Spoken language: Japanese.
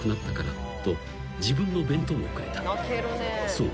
［そう。